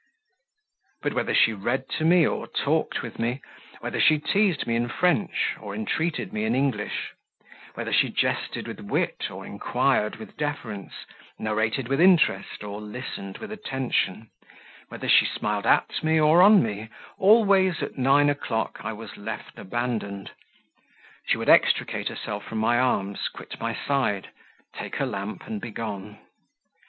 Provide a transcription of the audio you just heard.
But whether she read to me, or talked with me; whether she teased me in French, or entreated me in English; whether she jested with wit, or inquired with deference; narrated with interest, or listened with attention; whether she smiled at me or on me, always at nine o'clock I was left abandoned. She would extricate herself from my arms, quit my side, take her lamp, and be gone.